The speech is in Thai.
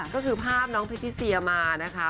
ก็คือภาพน้องพลิ้ดที่เชียร์มานะคะ